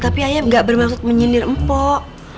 tapi ayah gak bermaksud menyindir mpok